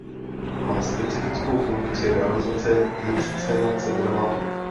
Má specifickou funkci realizace inscenace dramatu.